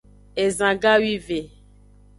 Ezan gawive.